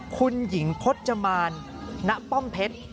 คุณหญิงพจมานณป้อมเพชร